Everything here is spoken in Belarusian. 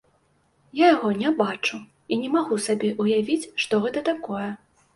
Я яго не бачу і не магу сабе ўявіць, што гэта такое.